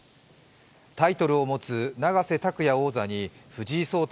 タイトルを持つ永瀬拓矢王座に藤井聡太